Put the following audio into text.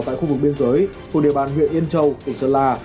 tại khu vực biên giới thuộc địa bàn huyện yên châu tỉnh sơn la